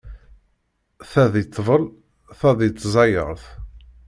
Ta di ṭṭbel, ta di tẓayeṛt.